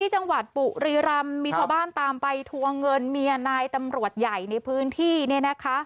จังหวัดปุรีรำมีชาวบ้านตามไปทวงเงินเมียนายตำรวจใหญ่ในพื้นที่เนี่ยนะคะ